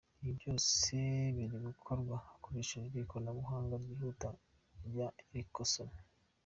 Ibi byose biri gukorwa hakoreshejwe ikoranabuhanga ryihuta rya Ericson.